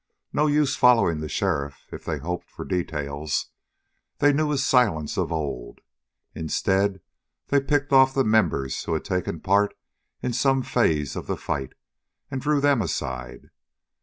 No use following the sheriff if they hoped for details. They knew his silence of old. Instead they picked off the members who had taken part in some phase of the fight, and drew them aside.